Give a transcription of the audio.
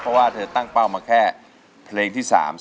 เพราะว่าเธอตั้งเป้ามาแค่เพลงที่๓